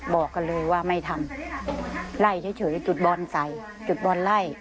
บอกกันเลยว่าไม่ทำไล่เฉยจุดบอลใส่จุดบอลไล่